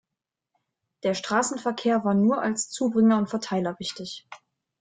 Der Straßenverkehr war nur als Zubringer und Verteiler wichtig.